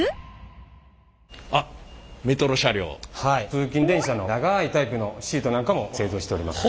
通勤電車の長いタイプのシートなんかも製造しております。